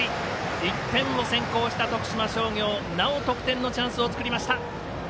１点を先行した徳島商業なお得点のチャンスを作りました。